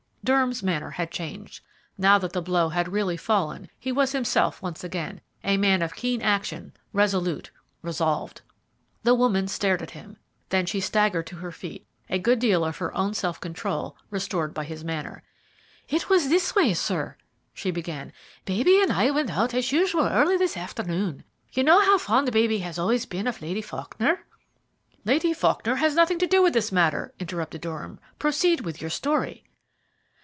Durham's manner had changed. Now that the blow had really fallen, he was himself once again a man of keen action, resolute, resolved. The woman stared at him, then she staggered to her feet, a good deal of her own self control restored by his manner. "It was this way, sir," she began. "Baby and I went out as usual early this afternoon. You know how fond baby has always been of Lady Faulkner?" "Lady Faulkner has nothing to do with this matter," interrupted Durham. "Proceed with your story."